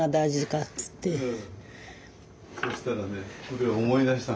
そしたらねこれ思い出したの。